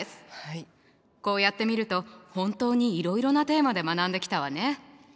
こうやってみると本当にいろいろなテーマで学んできたわね。